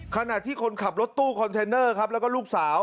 ขณะที่คนขับรถตู้คอนเทนเนอร์ครับแล้วก็ลูกสาว